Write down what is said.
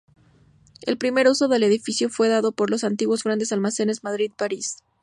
El primer uso del edificio fue dado por los antiguos grandes almacenes Madrid-París.